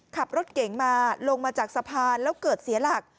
ขับรถเก่งมาลงมาจากสะพานแล้วเกิดเสียหลัก